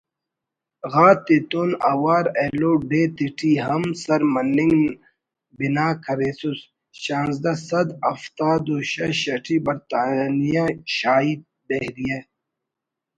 غاتتون اوار ایلو ڈیہہ تیٹی ہم سر مننگ بنا کریسس شانزدہ سد ہفتاد و شش ٹی برطانیہ شاہی بحریہ